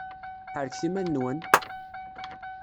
Ḥerrket iman-nwen!